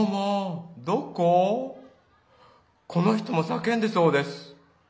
この人も叫んでそうです。